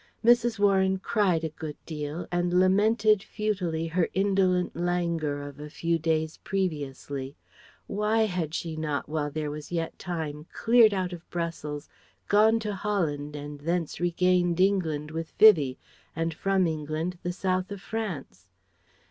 Mrs. Warren cried a good deal and lamented futilely her indolent languor of a few days previously. Why had she not, while there was yet time, cleared out of Brussels, gone to Holland, and thence regained England with Vivie, and from England the south of France?